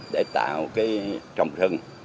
để tạo trồng rừng